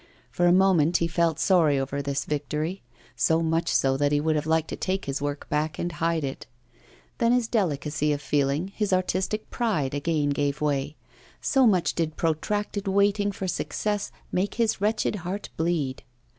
For a moment he felt sorry over this victory, so much so that he would have liked to take his work back and hide it. Then his delicacy of feeling, his artistic pride again gave way, so much did protracted waiting for success make his wretched heart bleed.